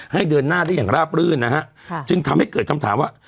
เดินหน้าได้อย่างราบรื่นนะฮะจึงทำให้เกิดคำถามว่า